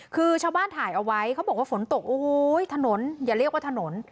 คือชาวบ้านถ่ายเอาไว้เขาบอกว่าฝนตกโอ้โหถนนอย่าเรียกว่าถนน